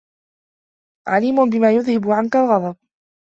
عَلِيمٌ بِمَا يُذْهِبُ عَنْك الْغَضَبَ